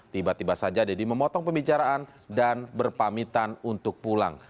tiba tiba saja deddy memotong pembicaraan dan berpamitan untuk pulang